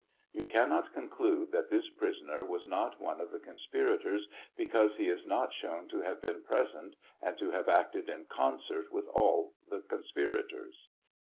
You cannot conclude that this prisoner was not one of the conspirators because he is not shown to have been present and to have acted in concert with all the conspirators.